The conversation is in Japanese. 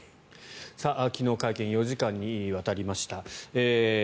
昨日、会見４時間にわたりました。